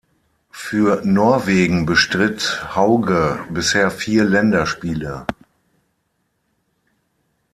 Für Norwegen bestritt Hauge bisher vier Länderspiele.